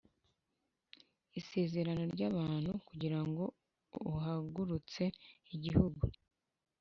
isezerano ry abantu kugira ngo uhagurutse igihugu